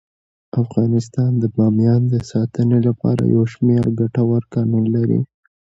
افغانستان د بامیان د ساتنې لپاره یو شمیر ګټور قوانین لري.